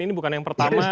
ini bukan yang pertama